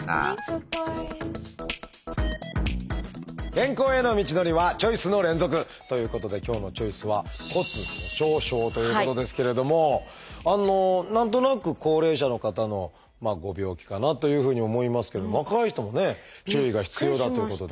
健康への道のりはチョイスの連続！ということで今日の「チョイス」は何となく高齢者の方のご病気かなというふうに思いますけど若い人もね注意が必要だということで。